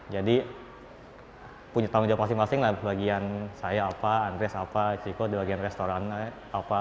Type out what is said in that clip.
punya tanggung jawab masing masing lah bagian saya apa andres apa ciko di bagian restoran apa